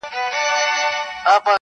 غورځولو ته د پلار یې ځان تیار کړ-